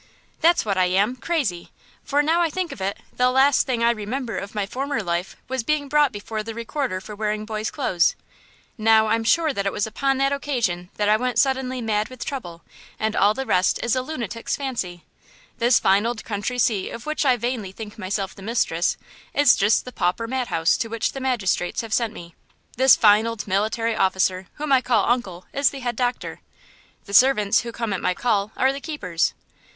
that's what I am, crazy! For, now I think of it, the last thing I remember of my former life was being brought before the recorder for wearing boy's clothes. Now, I'm sure that it was upon that occasion that I went suddenly mad with trouble, and all the rest is a lunatic's fancy! This fine old country seat of which I vainly think myself the mistress, is just the pauper madhouse to which the magistrates have sent me. This fine old military officer whom I call uncle is the head doctor. The servants who come at my call are the keepers.